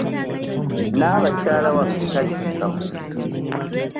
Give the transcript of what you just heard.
Naabakyala waffe takiika mu nkiiko.